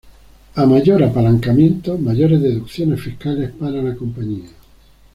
A mayor apalancamiento, mayores deducciones fiscales para la compañía.